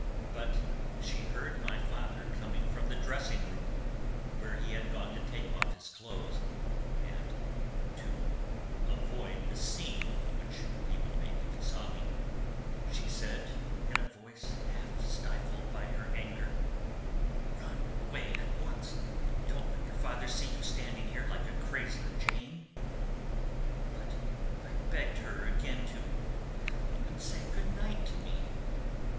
But she heard my father coming from the dressing room, where he had gone to take off his clothes, and, to avoid the 'scene' which he would make if he saw me, she said, in a voice half stifled by her anger: "Run away at once. Don't let your father see you standing there like a crazy jane!" But I begged her again to "Come and say good night to me!"